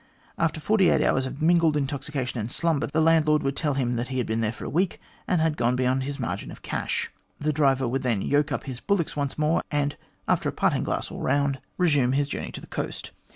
After forty eight hours of mingled intoxication and slumber, the landlord would tell him that he had been there a week, and had gone beyond his margin of cash. The driver would then yoke up his bullocks once more, and, after a parting glass all round, MAJOR DE WINTON : OLDEST LIVING GLADSTONIAN 179 resume his journey to the coast.